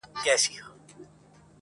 هسي نه هغه باور.